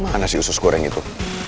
mana sih usus goreng itu